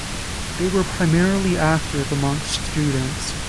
They were primarily active amongst students.